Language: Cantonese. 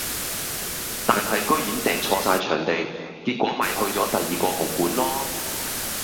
但系居然訂錯曬場地，結果咪去咗第二個紅館囉